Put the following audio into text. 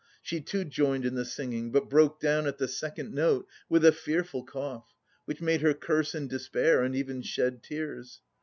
She too joined in the singing, but broke down at the second note with a fearful cough, which made her curse in despair and even shed tears.